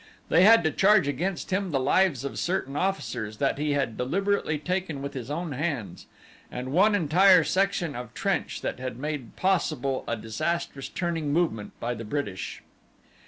They had to charge against him the lives of certain officers that he had deliberately taken with his own hands, and one entire section of trench that had made possible a disastrous turning movement by the British.